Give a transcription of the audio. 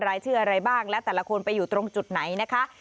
รายชื่ออะไรบ้างและแต่ละคนไปอยู่ตรงจุดไหนนะคะ